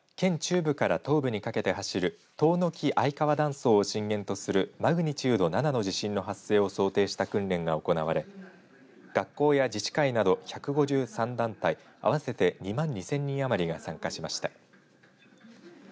きょうは県中部から東部にかけて走る藤の木愛川断層を震源とするマグニチュード７の地震の発生を想定した訓練が行われ学校や自治会など１５３団体合わせて２万２０００人余りが参加しました。